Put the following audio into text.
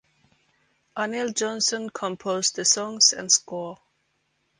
Anil Johnson composed the songs and score.